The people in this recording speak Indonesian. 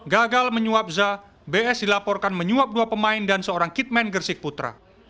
gagal menyuap za bs dilaporkan menyuap dua pemain dan seorang kitman gersik putra